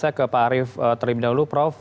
saya ke pak arief terlebih dahulu prof